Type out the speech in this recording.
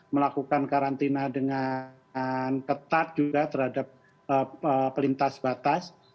melakukan karantina dengan ketat juga terhadap pelintas batas